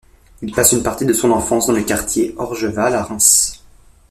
Il passe une partie de son enfance dans le quartier Orgeval à Reims.